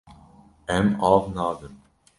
Em av nadin.